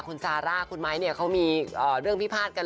คุณซาร่าคุณไม้เนี่ยเขามีเรื่องพิพาทกัน